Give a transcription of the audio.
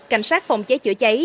cảnh sát phòng cháy chữa cháy